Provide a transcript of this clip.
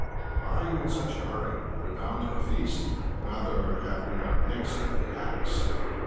Why are you in such a hurry? Are we bound to a feast? Rather have we our necks under the axe.